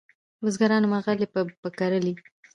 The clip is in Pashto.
بزګرانو مرغلري په کرلې